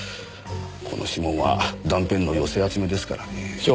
この指紋は断片の寄せ集めですからねぇ。